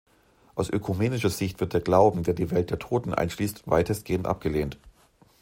Aus ökumenischer Sicht wird der Glauben, der die Welt der Toten einschließt, weitestgehend abgelehnt.